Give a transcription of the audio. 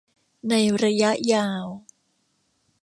ในระยะยาว